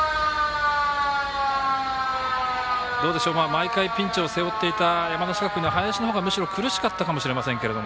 毎回、ピンチを背負っていた山梨学院の林のほうがむしろ苦しかったかもしれませんけど。